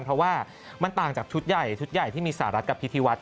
เพราะว่ามันต่างจากชุดใหญ่ชุดใหญ่ที่มีสหรัฐกับพิธีวัฒน